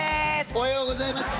おはようございます